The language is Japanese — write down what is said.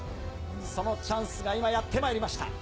そのチャンスが今やってまいりました。